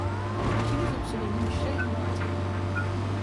Il utilise le pseudonyme Shane Martin.